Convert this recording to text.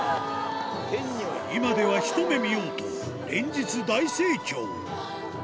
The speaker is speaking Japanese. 今ではひと目見ようと連日大盛況